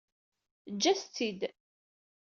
Eǧǧ-as-tt-id.